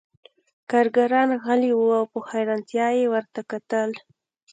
کارګران غلي وو او په حیرانتیا یې ورته کتل